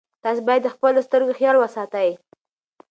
تاسي باید د خپلو سترګو خیال وساتئ.